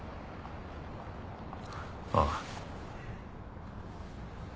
ああ。